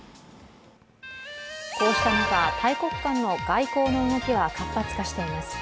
こうした中、大国間の外交の動きは活発化しています。